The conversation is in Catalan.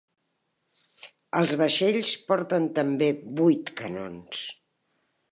El vaixells porten també vuit canons.